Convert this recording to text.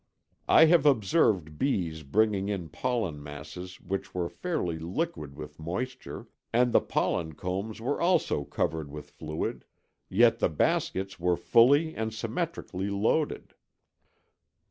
I have observed bees bringing in pollen masses which were fairly liquid with moisture, and the pollen combs also were covered with fluid, yet the baskets were fully and symmetrically loaded.